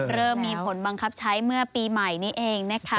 เริ่มมีผลบังคับใช้เมื่อปีใหม่นี้เองนะคะ